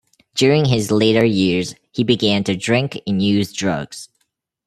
During his later years, he began to drink and use drugs.